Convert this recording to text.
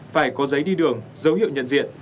phải có giấy đi đường dấu hiệu nhận diện